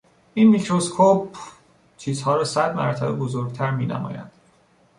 این میکروسکپ چیزها را صد مرتبه بزرگتر مینماید.